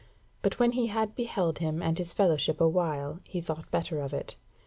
But when he had beheld him and his fellowship a while he thought better of it.